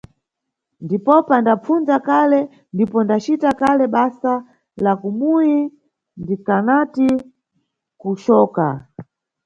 Ndipopa ndapfundza kale ndipo ndacita kale basa la kumuyi ndikanati kucoka.